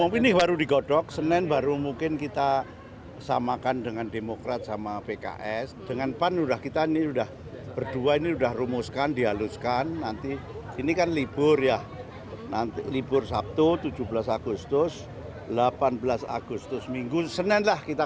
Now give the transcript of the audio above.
pusat pemenangan di jumat usai menghadiri upacara peringatan kemerdekaan republik indonesia ke tujuh puluh tiga